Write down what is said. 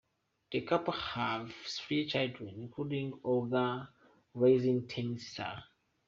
The couple have three children, including Olga, a rising tennis star.